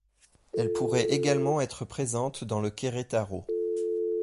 Elle pourrait également être présente dans le Querétaro.